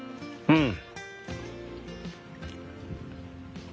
うん。